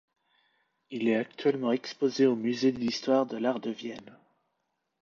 Il est actuellement exposé au Musée d'histoire de l'art de Vienne.